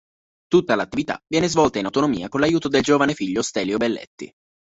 Tutta l'attività viene svolta in autonomia con l'aiuto del giovane figlio Stelio Belletti.